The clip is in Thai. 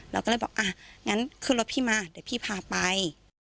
เราก็เลยบอกอ่ะงั้นขึ้นรถพี่มาเดี๋ยวพี่พาไป